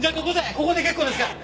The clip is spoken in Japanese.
ここで結構ですから。